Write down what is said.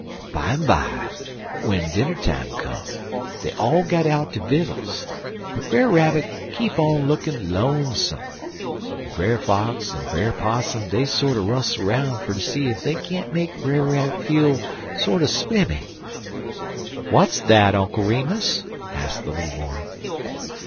"Bimeby, w'en dinner time come, dey all got out der vittles, but Brer Rabbit keep on lookin' lonesome, en Brer Fox en Brer Possum dey sorter rustle roun' fer ter see ef dey can't make Brer Rabbit feel sorter splimmy." "What is that, Uncle Remus?" asked the little boy.